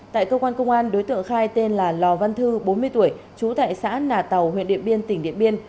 tại cơ quan công an đối tượng khai tên là lò văn thư bốn mươi tuổi trú tại xã nà tàu huyện điện biên tỉnh điện biên